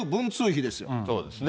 そうですね。